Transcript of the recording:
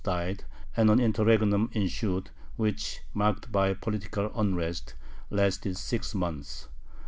died, and an interregnum ensued, which, marked by political unrest, lasted six months.